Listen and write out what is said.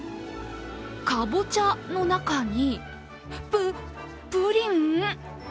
かぼちゃの中にプ、プリン？